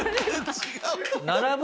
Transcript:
並ぶ？